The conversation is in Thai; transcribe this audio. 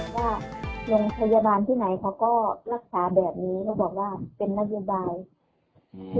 วันนี้ภายบาลที่ไหนเค้าก็รักษาแบบนี้บอกว่าเป็นรักษาใบ